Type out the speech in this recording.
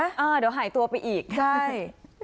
เดี๋ยวหายตัวไปอีกใช่